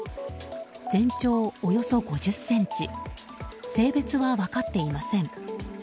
全長およそ５０ｃｍ性別は分かっていません。